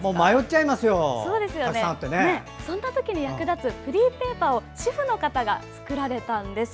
そんな時に役立つフリーペーパーを主婦の方が作られたんです。